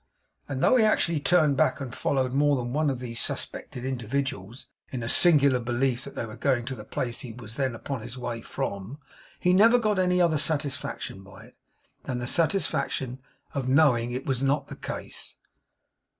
And though he actually turned back and followed more than one of these suspected individuals, in a singular belief that they were going to the place he was then upon his way from, he never got any other satisfaction by it, than the satisfaction of knowing it was not the case.